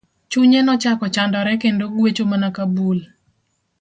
Chunye nochako chandore kendo gwecho mana ka bul.